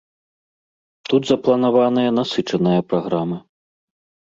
Тут запланаваная насычаная праграма.